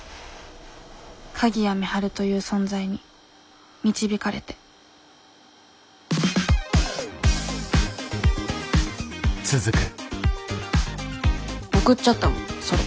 鍵谷美晴という存在に導かれて送っちゃったのそれ。